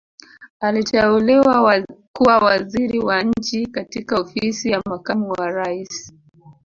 Aliteuliwa kuwa Waziri wa Nchi katika Ofisi ya Makamu wa Rais